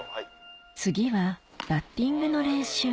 次はバッティングの練習